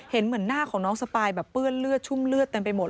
เห็นเหมือนหน้าของน้องสปายแบบเปื้อนเลือดชุ่มเลือดเต็มไปหมด